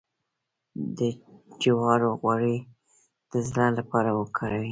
د جوارو غوړي د زړه لپاره وکاروئ